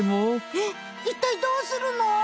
えっいったいどうするの？